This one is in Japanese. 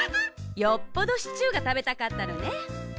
よっぽどシチューがたべたかったのね。